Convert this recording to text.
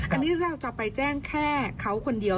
อันนี้เราจะไปแจ้งแค่เขาคนเดียว